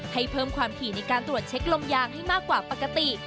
เพิ่มความถี่ในการตรวจเช็คลมยางให้มากกว่าปกติ